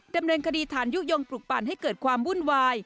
ดำเนินคดีฐานยุโยงปลุกปั่นให้เกิดความวุ่นวาย